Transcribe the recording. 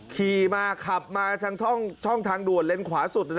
ขี่มาขับมาทางช่องทางด่วนเลนขวาสุด